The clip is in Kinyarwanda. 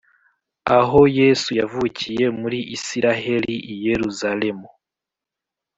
Aho yesu yavukiye muri isiraheli iyeruzalemu